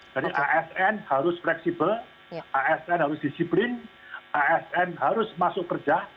jadi asn harus fleksibel asn harus disiplin asn harus masuk kerja